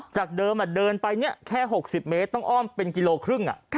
จากเดิมเดินไปแค่๖๐เมตรต้องอ้อมเป็นกิโลครึ่ง